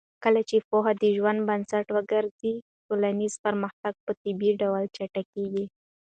کله چې پوهه د ژوند بنسټ وګرځي، ټولنیز پرمختګ په طبیعي ډول چټکېږي.